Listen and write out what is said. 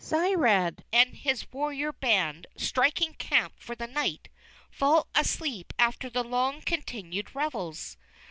Ctirad and his warrior band, striking camp for the night, fall asleep after long continued revels.